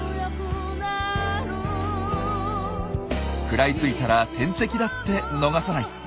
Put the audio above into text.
食らいついたら天敵だって逃さない。